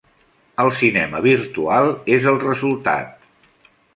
El cinema virtual és el resultat.